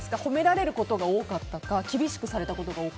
褒められることが多かったか